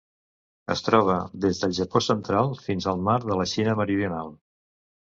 Es troba des del Japó central fins al Mar de la Xina Meridional.